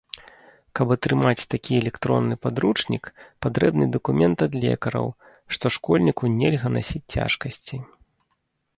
Каб атрымаць такі электронны падручнік, патрэбны дакумент ад лекараў, што школьніку нельга насіць цяжкасці.